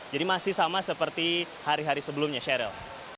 jadi masih sama seperti hari hari sebelumnya sheryl